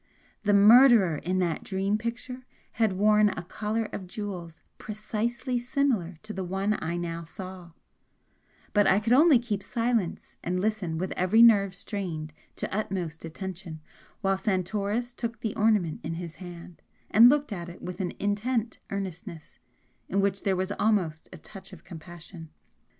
The murderer in that dream picture had worn a collar of jewels precisely similar to the one I now saw; but I could only keep silence and listen with every nerve strained to utmost attention while Santoris took the ornament in his hand and looked at it with an intent earnestness in which there was almost a touch of compassion.